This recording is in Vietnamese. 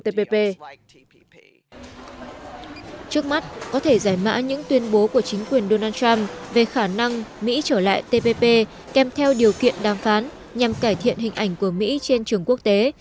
trước mắt có thể giải mã những tuyên bố của chính quyền donald trump về khả năng mỹ trở lại tpp kèm theo điều kiện đàm phán nhằm cải thiện hình ảnh của mỹ trên trường quốc tế